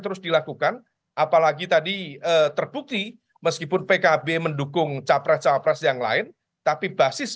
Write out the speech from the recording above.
terus dilakukan apalagi tadi terbukti meskipun pkb mendukung capres capres yang lain tapi basis